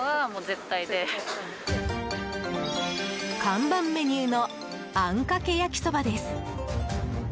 看板メニューのあんかけ焼そばです。